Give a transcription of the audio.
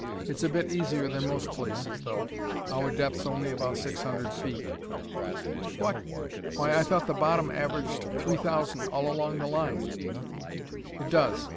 It's a bit easier than most places, though: our depth's only about six hundred feet." "What! Why, I thought the bottom averaged three thousand all along the line." "It does.